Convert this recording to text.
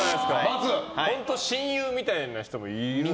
本当、親友みたいな人がいるんですか。